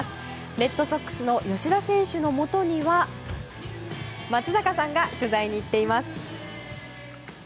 レッドソックスの吉田選手のもとには松坂さんが取材に行っています。